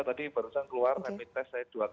tadi barusan keluar rapid test saya